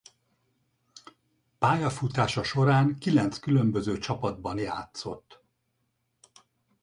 Pályafutása során kilenc különböző csapatban játszott.